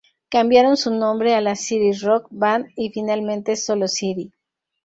Cambiaron su nombre a la City Rock Band y finalmente sólo City.